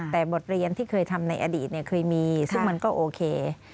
แต่บทเรียนที่เคยทำในอดีตคือมีก็อโอเค